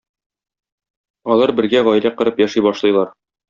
Алар бергә гаилә корып яши башлыйлар.